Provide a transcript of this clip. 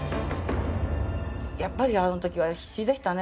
やっぱりあの時は必死でしたね